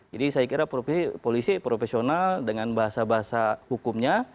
jadi saya kira polisi profesional dengan bahasa bahasa hukumnya